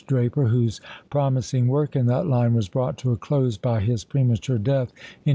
Draper, whose promising work in that line was brought to a close by his premature death in 1882.